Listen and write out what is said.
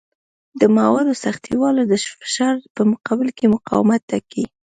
د موادو سختوالی د فشار په مقابل کې مقاومت ټاکي.